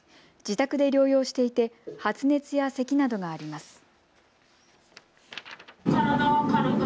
自宅で療養していて発熱やせきなどがあります。